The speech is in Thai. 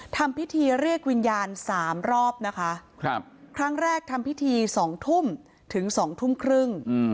ทำพิธีเรียกวิญญาณสามรอบนะคะครั้งแรกทำพิธีสองทุ่มถึงสองทุ่มครึ่ง